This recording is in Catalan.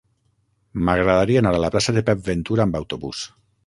M'agradaria anar a la plaça de Pep Ventura amb autobús.